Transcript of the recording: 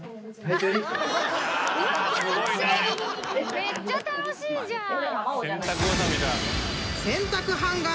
めっちゃ楽しいじゃん。